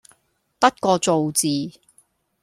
得個做字